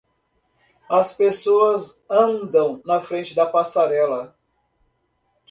As pessoas andam na frente da passarela.